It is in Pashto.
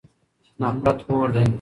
نفرت اور دی.